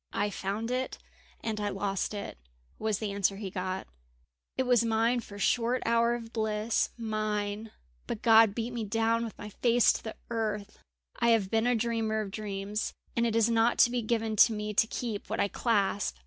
"I found it and I lost it," was the answer he got. "It was mine for a short hour of bliss mine; but again God beat me down with my face to the earth. "I have been a dreamer of dreams, and it is not to be given to me to keep what I clasp.